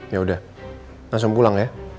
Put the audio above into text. yaudah langsung pulang ya